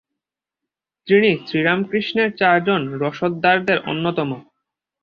তিনি শ্রীরামকৃষ্ণের চারজন রসদদারের অন্যতম।